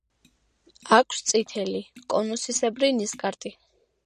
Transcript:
აქვთ წითელი, კონუსისებრი ნისკარტი.